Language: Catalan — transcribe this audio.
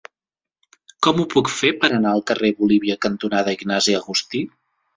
Com ho puc fer per anar al carrer Bolívia cantonada Ignasi Agustí?